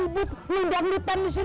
bubar bubar bubar bubar